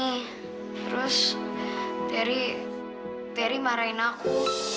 terus terry terry marahin aku